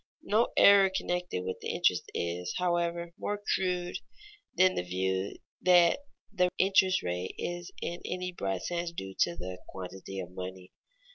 No error connected with interest is, however, more crude than the view that the interest rate is in any broad sense due to the quantity of money.